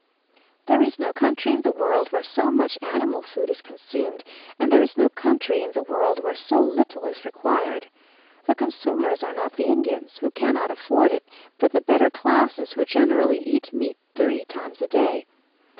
There is no country in the world where so much animal food is consumed, and there is no country in the world where so little is required. The consumers are not the Indians, who cannot afford it, but the better classes, who generally eat meat three times a day.